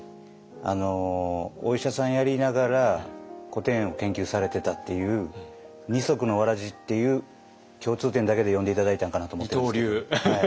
お医者さんやりながら古典を研究されてたっていう二足のわらじっていう共通点だけで呼んで頂いたんかなと思ってるんですけど。